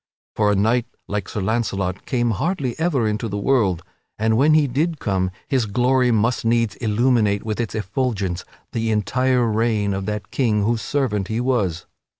For a knight like Sir Launcelot came hardly ever into the world, and when he did come his glory must needs illuminate with its effulgence the entire reign of that king whose servant he was.